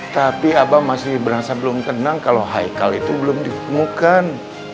tapi abang masih berasa belum tenang kalau hikal itu belum ditemukan